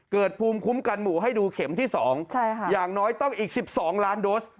ภูมิคุ้มกันหมู่ให้ดูเข็มที่๒อย่างน้อยต้องอีก๑๒ล้านโดส